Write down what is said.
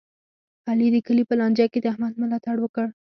علي د کلي په لانجه کې د احمد ملا تړ وکړ.